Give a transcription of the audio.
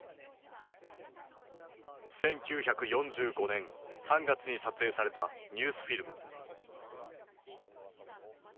１９４５年３月に撮影されたニュースフィルム。